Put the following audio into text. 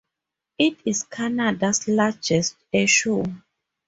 It is Canada's largest airshow.